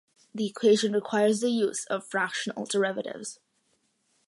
The equation requires the use of fractional derivatives.